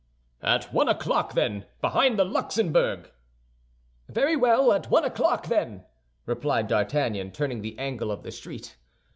"At one o'clock, then, behind the Luxembourg." "Very well, at one o'clock, then," replied D'Artagnan, turning the angle of the street.